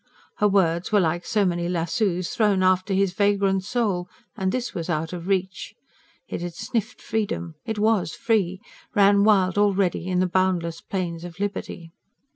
Her words were like so many lassos thrown after his vagrant soul; and this was out of reach. It had sniffed freedom it WAS free; ran wild already on the boundless plains of liberty.